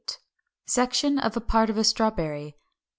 368. Section of a part of a strawberry.